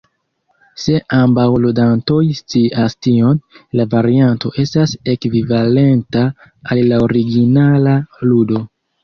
Se ambaŭ ludantoj scias tion, la varianto estas ekvivalenta al la originala ludo.